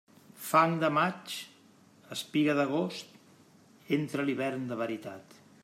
Fang de maig, espiga d'agost, entra l'hivern de veritat.